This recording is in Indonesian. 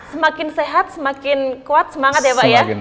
semakin sehat semakin kuat semangat ya pak ya